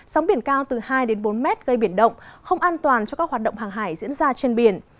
sóng biển cao từ hai đến bốn mét gây biển động không an toàn cho các hoạt động hàng hải diễn ra trên biển